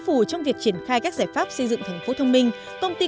tp hà nội quyết tâm sẽ xây dựng chính quyền điện tử đồng bộ